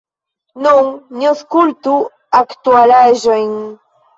Nun ni aŭskultu aktualaĵojn.